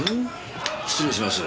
失礼します。